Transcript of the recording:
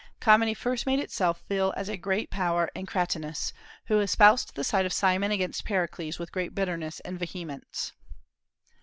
Comedy first made itself felt as a great power in Cratinus, who espoused the side of Cimon against Pericles with great bitterness and vehemence.